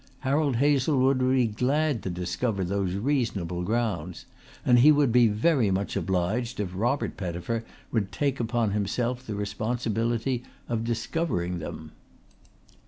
Harold Hazlewood would be glad to discover those reasonable grounds; and he would be very much obliged if Robert Pettifer would take upon himself the responsibility of discovering them.